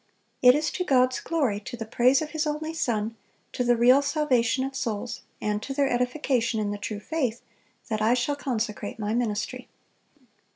It is to God's glory, to the praise of His only Son, to the real salvation of souls, and to their edification in the true faith, that I shall consecrate my ministry."